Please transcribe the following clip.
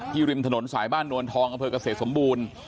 ริมถนนสายบ้านนวลทองอำเภอกเกษตรสมบูรณ์